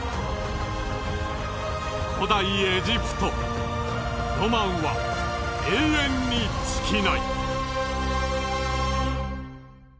古代エジプトロマンは永遠に尽きない。